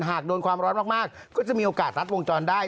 หากโดนความร้อนมากก็จะมีโอกาสรัดวงจรได้